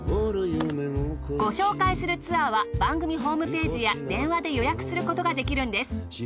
ご紹介するツアーは番組ホームページや電話で予約することができるんです。